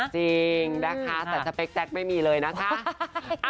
จริงนะคะแต่สเปคแจ๊กไม่มีเลยนะคะ